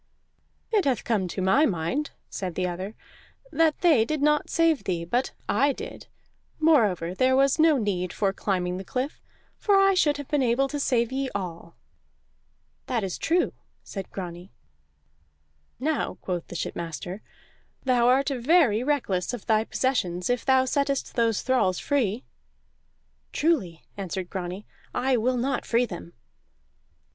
"It hath come to my mind," said the other, "that they did not save thee, but I did. Moreover, there was no need for climbing the cliff, for I should have been able to save ye all." "That is true," said Grani. "Now," quoth the shipmaster, "thou art very reckless of thy possessions if thou settest those thralls free." "Truly," answered Grani, "I will not free them."